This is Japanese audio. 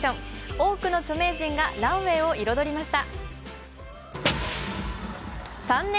多くの著名人がランウェイを彩りました。